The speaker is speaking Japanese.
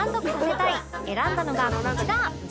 選んだのがこちら